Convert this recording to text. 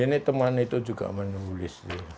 ini teman itu juga menulis